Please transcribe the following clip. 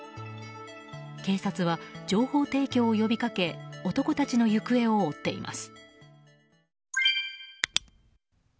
警察は情報提供を呼びかけ男たちの行方を追っています。